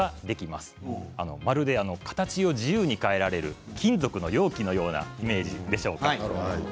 まるで形を自由に変えられる金属の容器のようなイメージでしょうか。